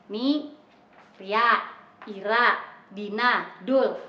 nih ria ira bina dul